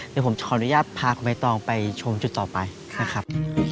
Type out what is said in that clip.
เดี๋ยวผมขออนุญาตพาคุณใบตองไปชมจุดต่อไปนะครับ